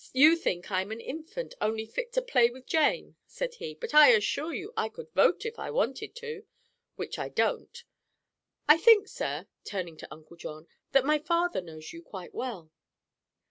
"You think I'm an infant, only fit to play with Jane," said he; "but I assure you I could vote, if I wanted to—which I don't. I think, sir," turning to Uncle John, "that my father knows you quite well."